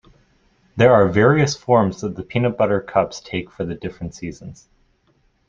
There are various forms that the peanut butter cups take for the different seasons.